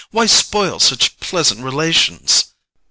Why spoil such pleasant relations?